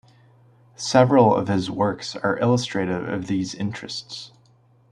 Several of his works are illustrative of these interests.